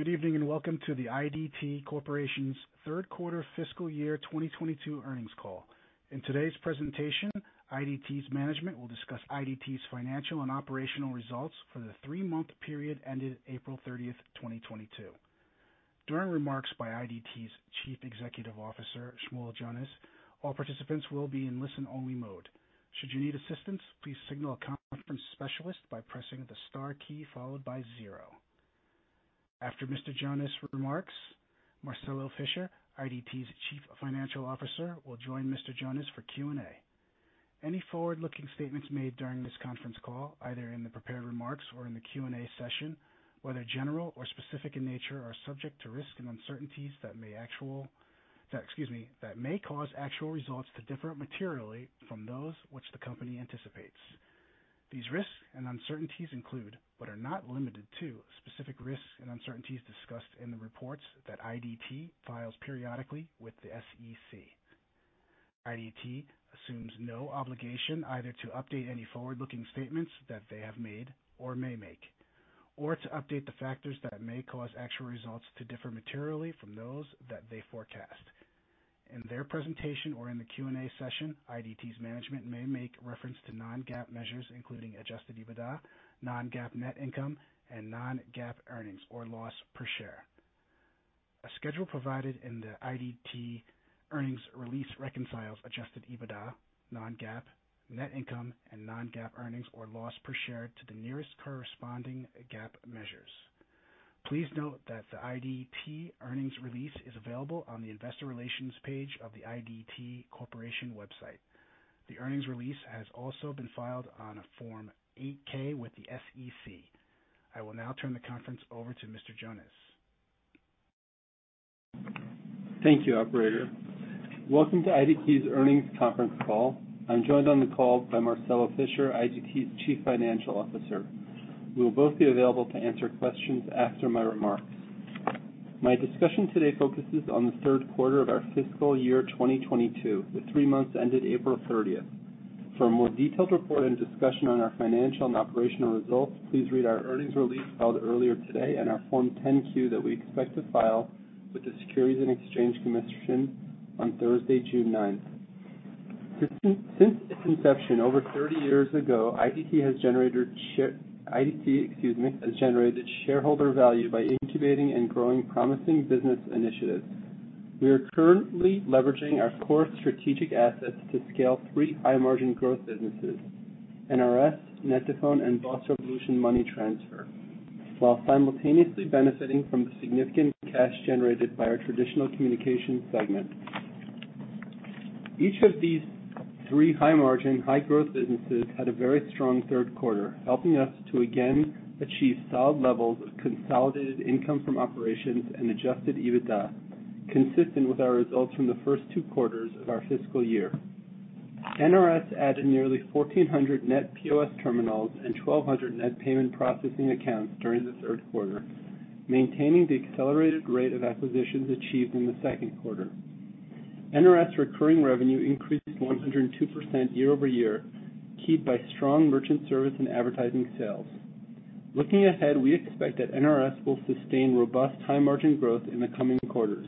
Good evening, and welcome to the IDT Corporation's third quarter fiscal year 2022 earnings call. In today's presentation, IDT's management will discuss IDT's financial and operational results for the three-month period ended April thirtieth, 2022. During remarks by IDT's Chief Executive Officer, Shmuel Jonas, all participants will be in listen-only mode. Should you need assistance, please signal a conference specialist by pressing the star key followed by zero. After Mr. Jonas' remarks, Marcelo Fischer, IDT's Chief Financial Officer will join Mr. Jonas for Q&A. Any forward-looking statements made during this conference call, either in the prepared remarks or in the Q&A session, whether general or specific in nature, are subject to risks and uncertainties that may cause actual results to differ materially from those which the company anticipates. These risks and uncertainties include, but are not limited to, specific risks and uncertainties discussed in the reports that IDT files periodically with the SEC. IDT assumes no obligation either to update any forward-looking statements that they have made or may make, or to update the factors that may cause actual results to differ materially from those that they forecast. In their presentation or in the Q&A session, IDT's management may make reference to non-GAAP measures, including adjusted EBITDA, non-GAAP net income, and non-GAAP earnings or loss per share. A schedule provided in the IDT earnings release reconciles adjusted EBITDA, non-GAAP net income, and non-GAAP earnings or loss per share to the nearest corresponding GAAP measures. Please note that the IDT earnings release is available on the investor relations page of the IDT Corporation website. The earnings release has also been filed on a Form 8-K with the SEC. I will now turn the conference over to Mr. Jonas. Thank you, operator. Welcome to IDT's earnings conference call. I'm joined on the call by Marcelo Fischer, IDT's Chief Financial Officer. We will both be available to answer questions after my remarks. My discussion today focuses on the third quarter of our fiscal year 2022, the three months ended April 30. For a more detailed report and discussion on our financial and operational results, please read our earnings release filed earlier today and our Form 10-Q that we expect to file with the Securities and Exchange Commission on Thursday, June 9. Since its inception over 30 years ago, IDT, excuse me, has generated shareholder value by incubating and growing promising business initiatives. We are currently leveraging our core strategic assets to scale three high-margin growth businesses, NRS, Net2Phone, and BOSS Revolution Money Transfer, while simultaneously benefiting from the significant cash generated by our traditional communication segment. Each of these three high-margin, high-growth businesses had a very strong third quarter, helping us to again achieve solid levels of consolidated income from operations and adjusted EBITDA, consistent with our results from the first two quarters of our fiscal year. NRS added nearly 1,400 net POS terminals and 1,200 net payment processing accounts during the third quarter, maintaining the accelerated rate of acquisitions achieved in the second quarter. NRS recurring revenue increased 102% year-over-year, keyed by strong merchant service and advertising sales. Looking ahead, we expect that NRS will sustain robust high-margin growth in the coming quarters.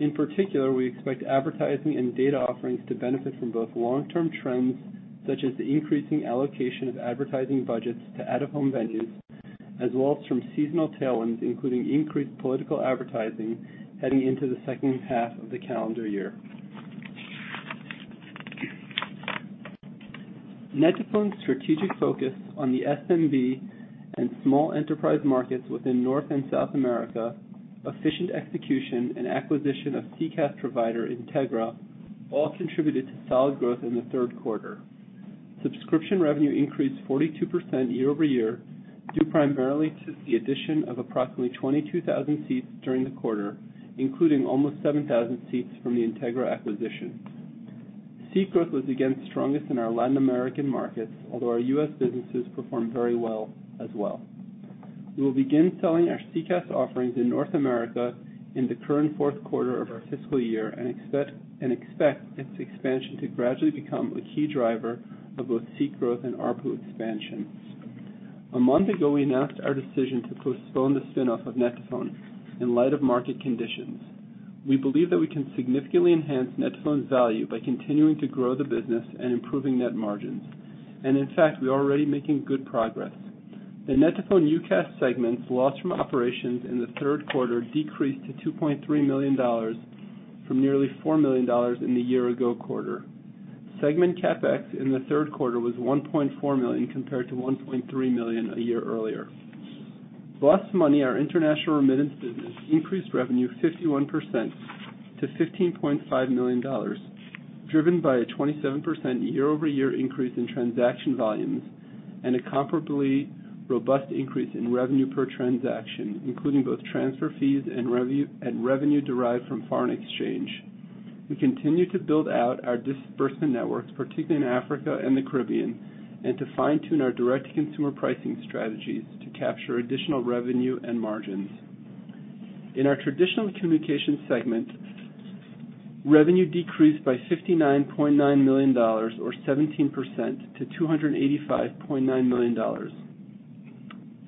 In particular, we expect advertising and data offerings to benefit from both long-term trends, such as the increasing allocation of advertising budgets to out-of-home venues, as well as from seasonal tailwinds, including increased political advertising heading into the second half of the calendar year. Net2Phone's strategic focus on the SMB and small enterprise markets within North and South America, efficient execution, and acquisition of CCaaS provider, Integra, all contributed to solid growth in the third quarter. Subscription revenue increased 42% year-over-year, due primarily to the addition of approximately 22,000 seats during the quarter, including almost 7,000 seats from the Integra acquisition. Seat growth was again strongest in our Latin American markets, although our U.S. businesses performed very well as well. We will begin selling our CCaaS offerings in North America in the current fourth quarter of our fiscal year and expect its expansion to gradually become a key driver of both seat growth and ARPU expansion. A month ago, we announced our decision to postpone the spin-off of Net2Phone in light of market conditions. We believe that we can significantly enhance Net2Phone's value by continuing to grow the business and improving net margins. In fact, we are already making good progress. The Net2Phone UCaaS segment's loss from operations in the third quarter decreased to $2.3 million from nearly $4 million in the year ago quarter. Segment CapEx in the third quarter was $1.4 million, compared to $1.3 million a year earlier. BOSS Money, our international remittance business, increased revenue 51% to $15.5 million, driven by a 27% year-over-year increase in transaction volumes and a comparably robust increase in revenue per transaction, including both transfer fees and revenue derived from foreign exchange. We continue to build out our disbursement networks, particularly in Africa and the Caribbean, and to fine-tune our direct-to-consumer pricing strategies to capture additional revenue and margin. In our traditional communications segment, revenue decreased by $59.9 million or 17% to $285.9 million.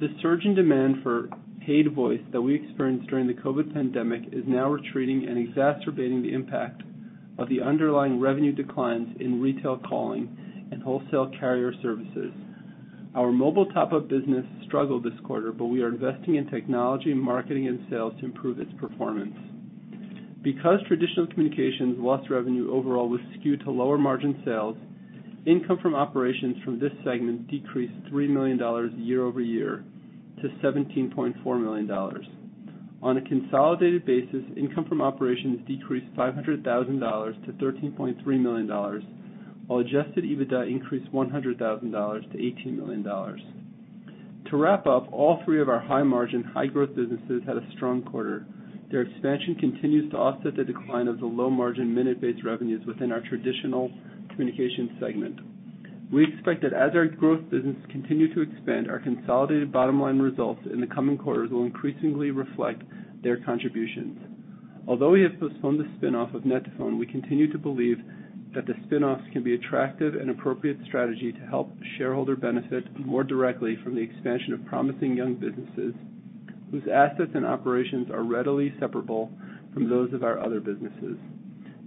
The surge in demand for paid voice that we experienced during the COVID pandemic is now retreating and exacerbating the impact of the underlying revenue declines in retail calling and wholesale carrier services. Our mobile top-up business struggled this quarter, but we are investing in technology, marketing and sales to improve its performance. Because traditional communications lost revenue overall was skewed to lower margin sales, income from operations from this segment decreased $3 million year-over-year to $17.4 million. On a consolidated basis, income from operations decreased $500,000 to $13.3 million, while adjusted EBITDA increased $100,000 to $18 million. To wrap up, all three of our high-margin, high-growth businesses had a strong quarter. Their expansion continues to offset the decline of the low-margin, minute-based revenues within our traditional communications segment. We expect that as our growth business continue to expand, our consolidated bottom line results in the coming quarters will increasingly reflect their contributions. Although we have postponed the spin-off of Net2Phone, we continue to believe that the spin-offs can be attractive and appropriate strategy to help shareholder benefit more directly from the expansion of promising young businesses whose assets and operations are readily separable from those of our other businesses.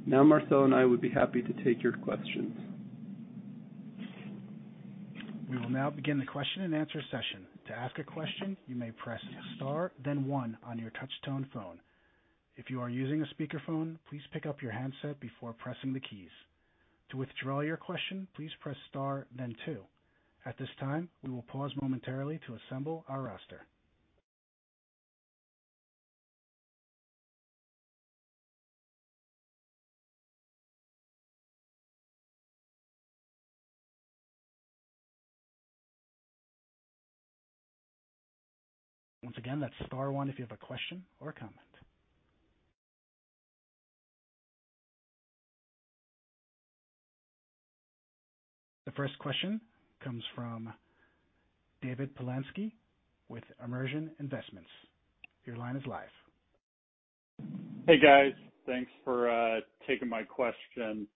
Now, Marcel and I would be happy to take your questions. We will now begin the question-and-answer session. To ask a question, you may press star then one on your touch tone phone. If you are using a speakerphone, please pick up your handset before pressing the keys. To withdraw your question, please press star then two. At this time, we will pause momentarily to assemble our roster. Once again, that's star one if you have a question or comment. The first question comes from David Polansky with Immersion Investments. Your line is live. Hey, guys. Thanks for taking my question.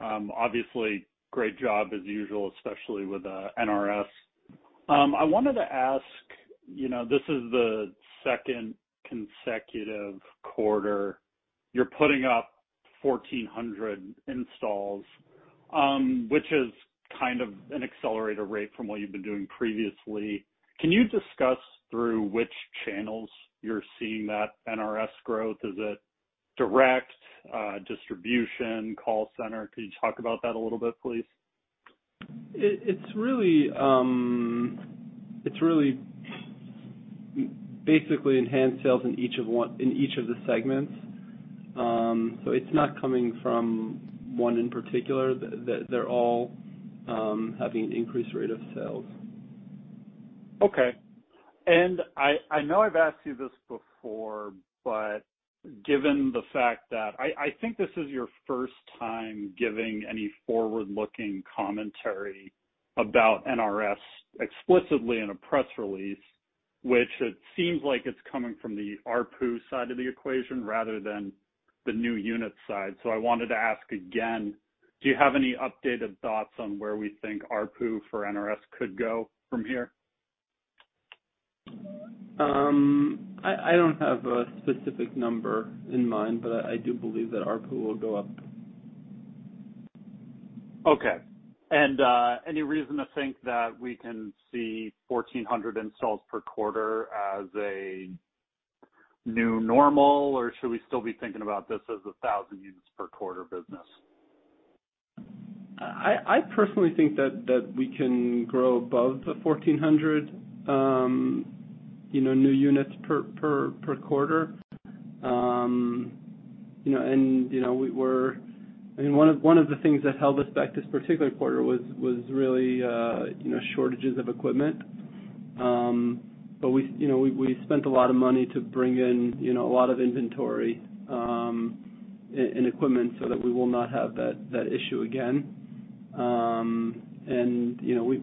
Obviously great job as usual, especially with NRS. I wanted to ask, you know, this is the second consecutive quarter you're putting up 1,400 installs, which is kind of an accelerated rate from what you've been doing previously. Can you discuss through which channels you're seeing that NRS growth? Is it direct, distribution, call center? Could you talk about that a little bit, please? It's really basically enhanced sales in each of the segments. It's not coming from one in particular. They're all having an increased rate of sales. Okay. I know I've asked you this before, but given the fact that I think this is your first time giving any forward-looking commentary about NRS explicitly in a press release, which it seems like it's coming from the ARPU side of the equation rather than the new unit side. I wanted to ask again, do you have any updated thoughts on where we think ARPU for NRS could go from here? I don't have a specific number in mind, but I do believe that ARPU will go up. Okay. Any reason to think that we can see 1,400 installs per quarter as a new normal, or should we still be thinking about this as a 1,000 units per quarter business? I personally think that we can grow above 1400 new units per quarter. One of the things that held us back this particular quarter was really shortages of equipment. We spent a lot of money to bring in a lot of inventory and equipment so that we will not have that issue again.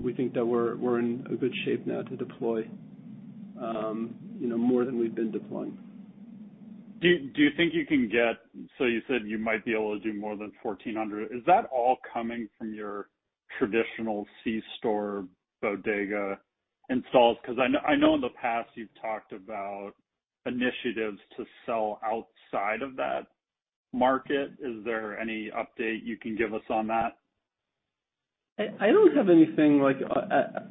We think that we're in a good shape now to deploy more than we've been deploying. You said you might be able to do more than 1400. Is that all coming from your traditional C-store Bodega installs? 'Cause I know, I know in the past you've talked about initiatives to sell outside of that market. Is there any update you can give us on that? I don't have anything like,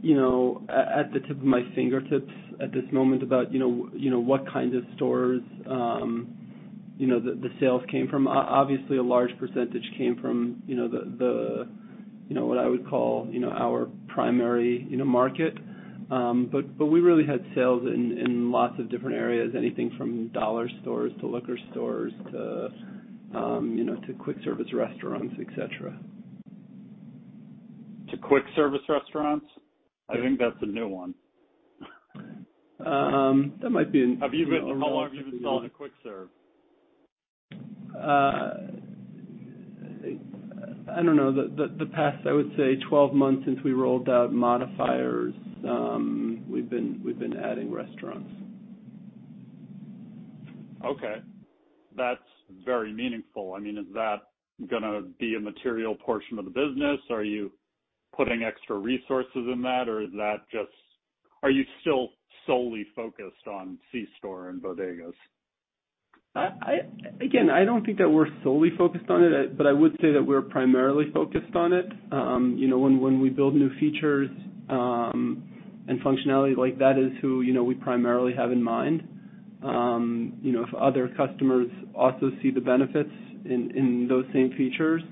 you know, at the tip of my fingertips at this moment about, you know, what kind of stores, you know, the sales came from. Obviously, a large percentage came from, you know, the, you know, what I would call, you know, our primary, you know, market. We really had sales in lots of different areas, anything from dollar stores to liquor stores to, you know, to quick service restaurants, et cetera. To quick service restaurants? I think that's a new one. Um, that might be How long have you been selling to quick serve? I don't know. The past, I would say 12 months since we rolled out modifiers, we've been adding restaurants. Okay. That's very meaningful. I mean, is that gonna be a material portion of the business? Are you putting extra resources in that, or is that just. Are you still solely focused on C store and bodegas? Again, I don't think that we're solely focused on it, but I would say that we're primarily focused on it. You know, when we build new features and functionality like that is who you know we primarily have in mind. You know, if other customers also see the benefits in those same features,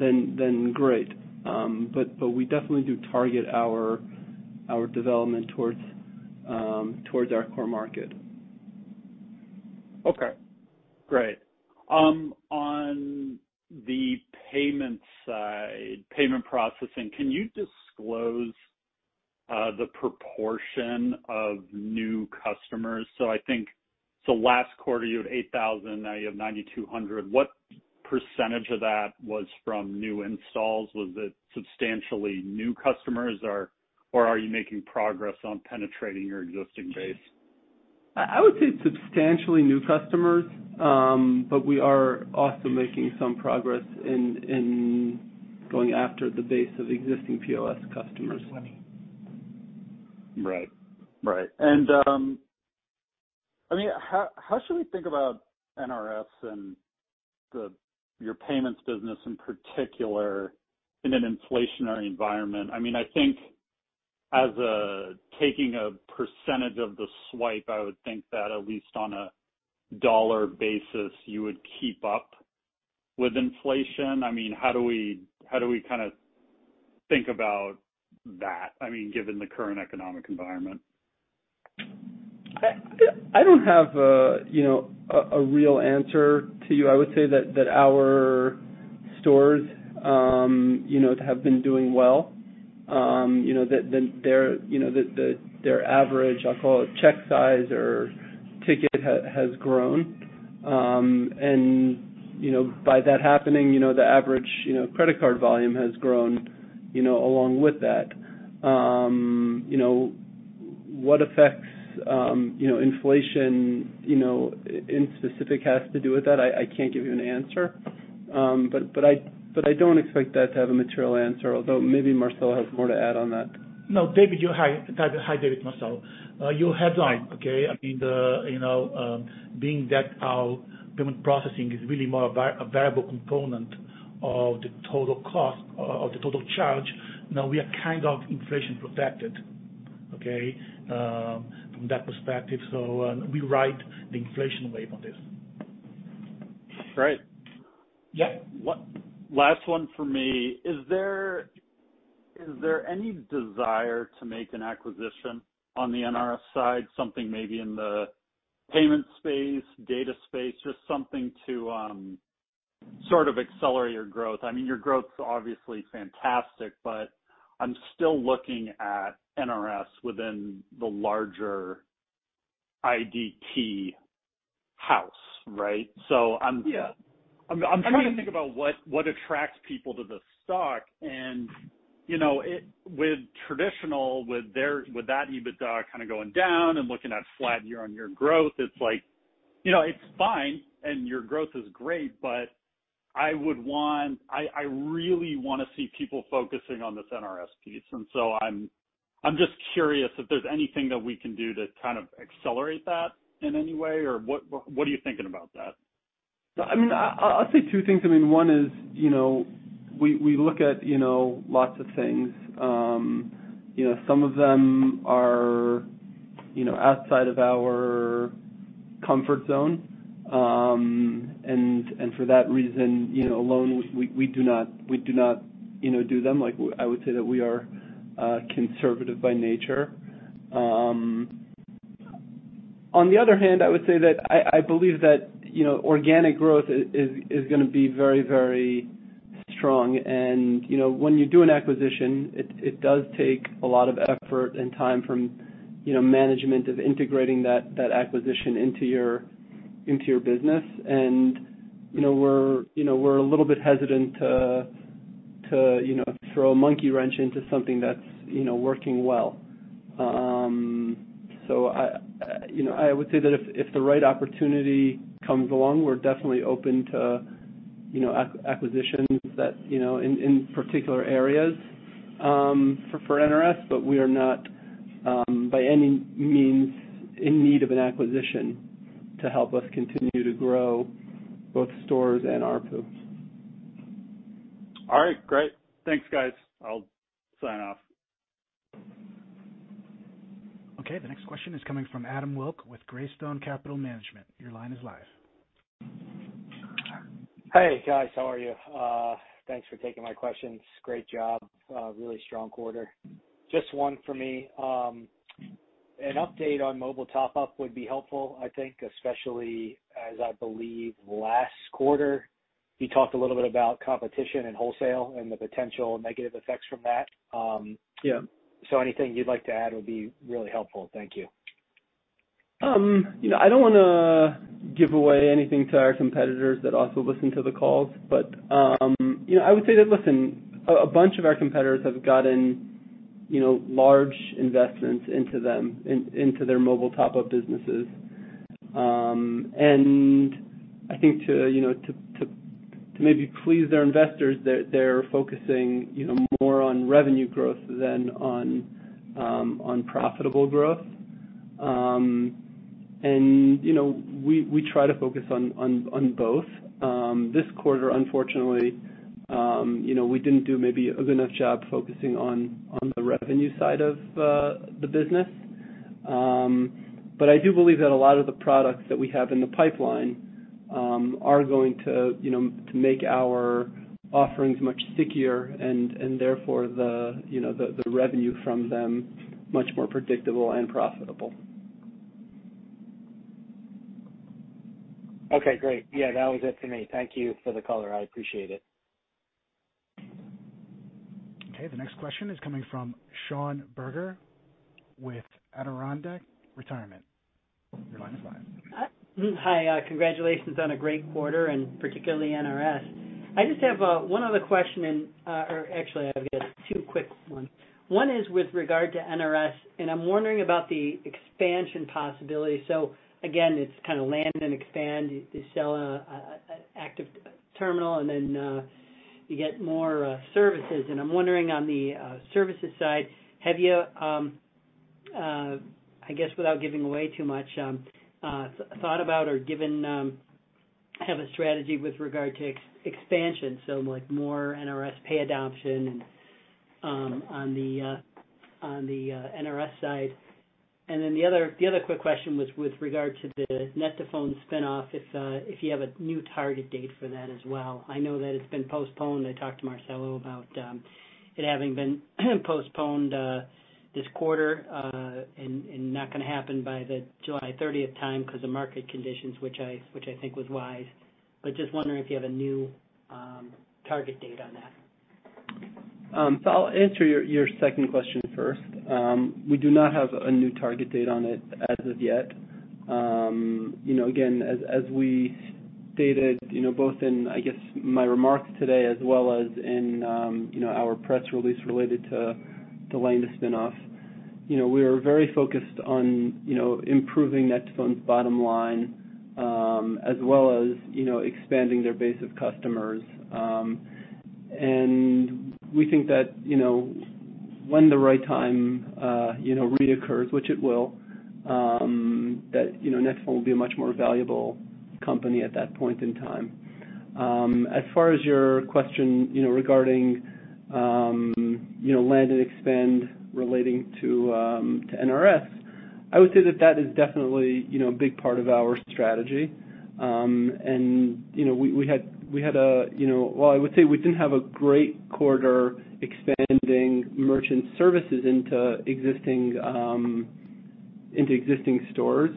then great. We definitely do target our development towards our core market. Okay, great. On the payment side, payment processing, can you disclose the proportion of new customers? So last quarter, you had 8,000, now you have 9,200. What percentage of that was from new installs? Was it substantially new customers or are you making progress on penetrating your existing base? I would say substantially new customers, but we are also making some progress in going after the base of existing POS customers. Right. I mean, how should we think about NRS and your payments business in particular in an inflationary environment? I mean, I think taking a percentage of the swipe, I would think that at least on a dollar basis, you would keep up with inflation. I mean, how do we kinda think about that, given the current economic environment? I don't have, you know, a real answer to you. I would say that our stores, you know, have been doing well. You know, their average, I'll call it check size or ticket has grown. You know, by that happening, you know, the average, you know, credit card volume has grown, you know, along with that. You know, what effect inflation in specific has to do with that, I can't give you an answer. I don't expect that to have a material effect, although maybe Marcelo has more to add on that. No, David. Hi, David. Marcelo. Your headline, okay? I mean, you know, being that our payment processing is really more a variable component of the total cost of the total charge, now we are kind of inflation protected, okay, from that perspective. We ride the inflation wave on this. Great. Yeah. Last one for me. Is there any desire to make an acquisition on the NRS side, something maybe in the payment space, data space, just something to sort of accelerate your growth? I mean, your growth's obviously fantastic, but I'm still looking at NRS within the larger IDT house, right? I'm- Yeah. I'm trying to think about what attracts people to the stock and, you know, with that EBITDA kinda going down and looking at flat year-over-year growth, it's like, you know, it's fine, and your growth is great, but I really wanna see people focusing on this NRS piece. I'm just curious if there's anything that we can do to kind of accelerate that in any way or what are you thinking about that? I mean, I'll say two things. I mean, one is, you know, we look at, you know, lots of things. You know, some of them are, you know, outside of our comfort zone. For that reason, you know, alone, we do not, you know, do them. I would say that we are conservative by nature. On the other hand, I would say that I believe that, you know, organic growth is gonna be very, very strong. You know, when you do an acquisition, it does take a lot of effort and time from, you know, management of integrating that acquisition into your business. You know, we're a little bit hesitant to you know throw a monkey wrench into something that's you know working well. I you know would say that if the right opportunity comes along, we're definitely open to you know acquisitions that you know in particular areas for NRS, but we are not by any means in need of an acquisition to help us continue to grow both stores and ARPU. All right. Great. Thanks, guys. I'll sign off. Okay. The next question is coming from Adam Wilk with Greystone Capital Management. Your line is live. Hey, guys. How are you? Thanks for taking my questions. Great job. Really strong quarter. Just one for me. An update on mobile top up would be helpful, I think, especially as I believe last quarter, you talked a little bit about competition and wholesale and the potential negative effects from that. Yeah. Anything you'd like to add would be really helpful. Thank you. You know, I don't wanna give away anything to our competitors that also listen to the calls. You know, I would say that, listen, a bunch of our competitors have gotten, you know, large investments into their mobile top-up businesses. I think, you know, to maybe please their investors they're focusing, you know, more on revenue growth than on profitable growth. You know, we try to focus on both. This quarter, unfortunately, you know, we didn't do maybe a good enough job focusing on the revenue side of the business. I do believe that a lot of the products that we have in the pipeline are going to, you know, to make our offerings much stickier and therefore the revenue from them much more predictable and profitable. Okay, great. Yeah, that was it for me. Thank you for the color. I appreciate it. Okay. The next question is coming from Sean Berger with Adirondack Retirement. Your line's live. Hi. Congratulations on a great quarter and particularly NRS. I just have one other question, or actually I guess two quick ones. One is with regard to NRS, and I'm wondering about the expansion possibility. Again, it's kinda land and expand. You sell an active terminal, and then you get more services. I'm wondering on the services side, have you, I guess without giving away too much, thought about or given, have a strategy with regard to expansion, so like more NRS Pay adoption, on the NRS side? The other quick question was with regard to the Net2Phone spin-off, if you have a new target date for that as well. I know that it's been postponed. I talked to Marcelo about it having been postponed this quarter and not gonna happen by the July thirtieth time 'cause of market conditions, which I think was wise. Just wondering if you have a new target date on that. I'll answer your second question first. We do not have a new target date on it as of yet. You know, again, as we stated, you know, both in, I guess, my remarks today as well as in, you know, our press release related to delaying the spin-off, you know, we are very focused on, you know, improving Net2Phone's bottom line, as well as, you know, expanding their base of customers. And we think that, you know, when the right time, you know, recurs, which it will, that, you know, Net2Phone will be a much more valuable company at that point in time. As far as your question, you know, regarding, you know, land and expand relating to NRS, I would say that that is definitely, you know, a big part of our strategy. While I would say we didn't have a great quarter expanding merchant services into existing stores,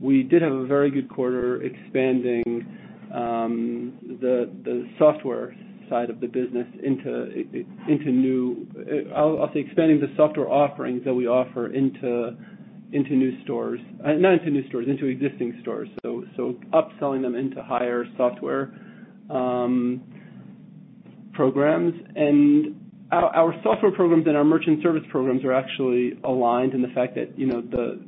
we did have a very good quarter expanding the software side of the business into new stores. I'll say expanding the software offerings that we offer into new stores. Not into new stores, into existing stores, so upselling them into higher software programs. Our software programs and our merchant service programs are actually aligned in the fact that, you know, the.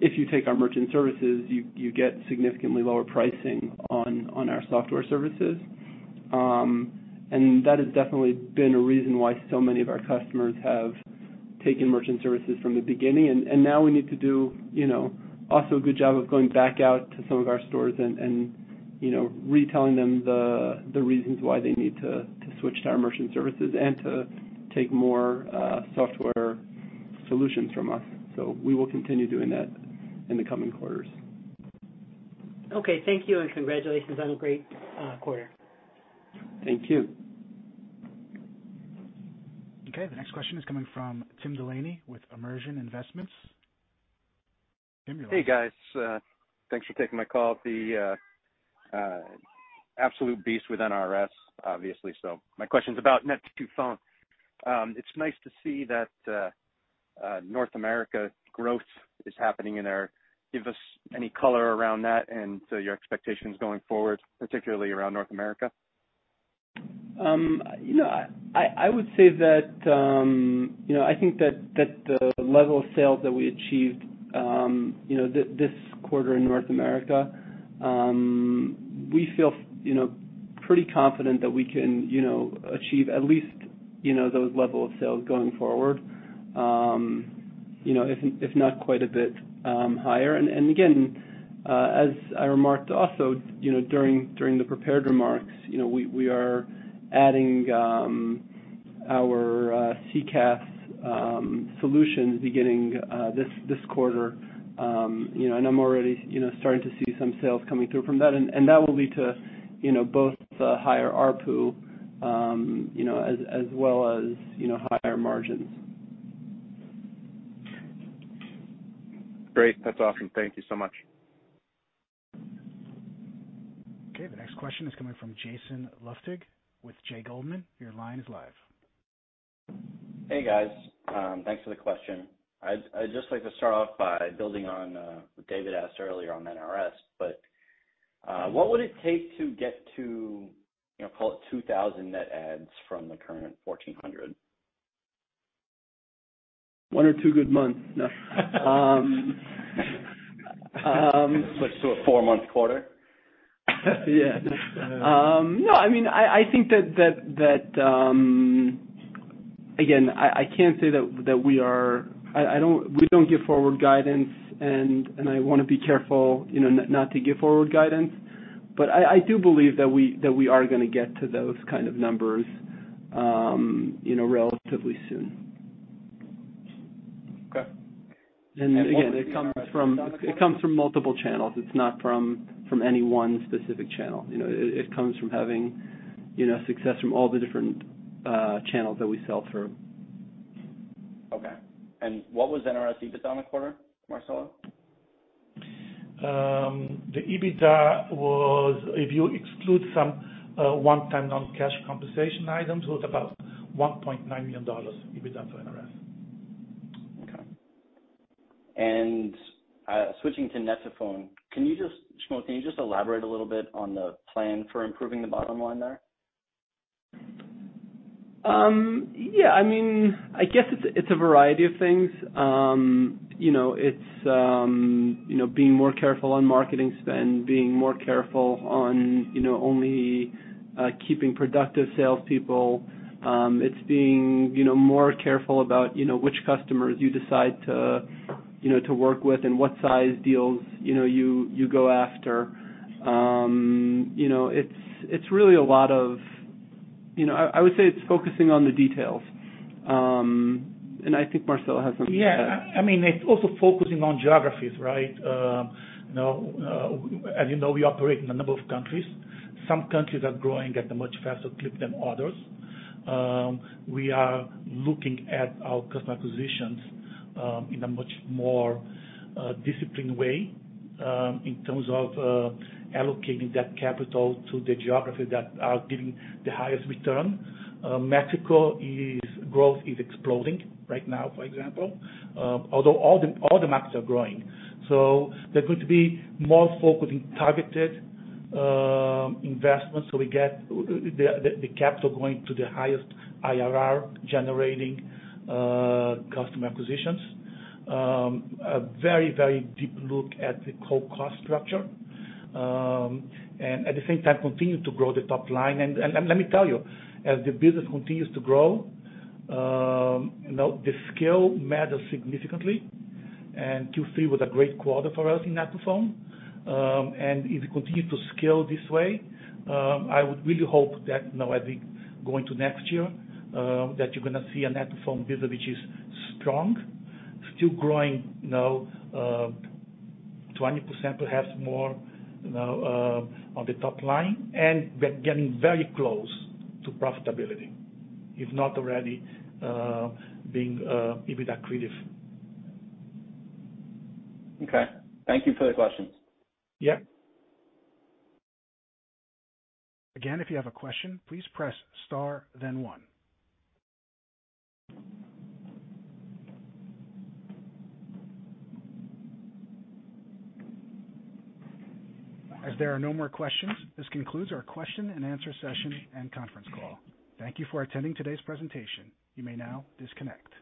If you take our merchant services, you get significantly lower pricing on our software services. That has definitely been a reason why so many of our customers have taken merchant services from the beginning. Now we need to do, you know, also a good job of going back out to some of our stores and you know, retelling them the reasons why they need to switch to our merchant services and to take more software solutions from us. We will continue doing that in the coming quarters. Okay. Thank you, and congratulations on a great quarter. Thank you. Okay. The next question is coming from Tim Delaney with Immersion Investments. Tim, you're on. Hey, guys. Thanks for taking my call. The absolute beast with NRS obviously. My question's about Net2Phone. It's nice to see that North America growth is happening in there. Give us any color around that and so your expectations going forward, particularly around North America. You know, I would say that, you know, I think that the level of sales that we achieved, you know, this quarter in North America, we feel, you know, pretty confident that we can, you know, achieve at least, you know, those level of sales going forward, you know, if not quite a bit higher. Again, as I remarked also, you know, during the prepared remarks, you know, we are adding our CCaaS solutions beginning this quarter. You know, I'm already, you know, starting to see some sales coming through from that. That will lead to, you know, both a higher ARPU, you know, as well as, you know, higher margins. Great. That's awesome. Thank you so much. Okay, the next question is coming from Jason Lustig with J. Goldman & Co. Your line is live. Hey, guys. Thanks for the question. I'd just like to start off by building on what David asked earlier on NRS. What would it take to get to, you know, call it 2000 net adds from the current 1400? One or two good months. No. Switch to a four-month quarter. Yeah. No, I mean, I think that. Again, we don't give forward guidance, and I wanna be careful, you know, not to give forward guidance. I do believe that we are gonna get to those kind of numbers, you know, relatively soon. Okay. It comes from multiple channels. It's not from any one specific channel. You know, it comes from having, you know, success from all the different channels that we sell through. Okay. What was NRS EBITDA on the quarter, Marcelo? The EBITDA was, if you exclude some one-time non-cash compensation items, it was about $1.9 million EBITDA for NRS. Okay. Switching to Net2Phone, can you just, Shmuel, can you just elaborate a little bit on the plan for improving the bottom line there? Yeah. I mean, I guess it's a variety of things. You know, it's you know, being more careful on marketing spend, being more careful on, you know, only keeping productive salespeople. It's being, you know, more careful about, you know, which customers you decide to, you know, to work with and what size deals, you know, you go after. You know, I would say it's focusing on the details. I think Marcelo has something to add. Yeah. I mean, it's also focusing on geographies, right? You know, as you know, we operate in a number of countries. Some countries are growing at a much faster clip than others. We are looking at our customer acquisitions in a much more disciplined way in terms of allocating that capital to the geographies that are giving the highest return. Mexico's growth is exploding right now, for example, although all the markets are growing. There's going to be more focus in targeted investments so we get the capital going to the highest IRR generating customer acquisitions. A very deep look at the cost structure, and at the same time continue to grow the top line. Let me tell you, as the business continues to grow, you know, the scale matters significantly. Q3 was a great quarter for us in Net2Phone. If we continue to scale this way, I would really hope that, you know, as we go into next year, that you're gonna see a Net2Phone business which is strong, still growing, you know, 20%, perhaps more, you know, on the top line, and we're getting very close to profitability, if not already, being EBITDA accretive. Okay. Thank you for the questions. Yeah. Again, if you have a question, please press star then one. As there are no more questions, this concludes our question and answer session and conference call. Thank you for attending today's presentation. You may now disconnect.